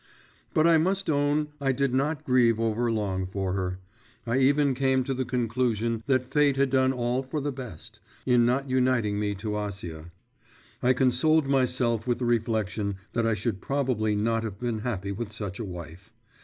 But I must own I did not grieve over long for her; I even came to the conclusion that fate had done all for the best, in not uniting me to Acia; I consoled myself with the reflection that I should probably not have been happy with such a wife.